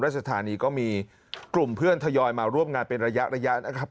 สถานีก็มีกลุ่มเพื่อนทยอยมาร่วมงานเป็นระยะระยะนะครับ